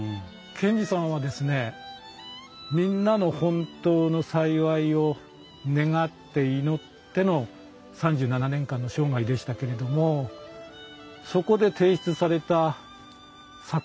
賢治さんはみんなの本当の幸いを願って祈っての３７年間の生涯でしたけれどもそこで提出された作品生き方はですね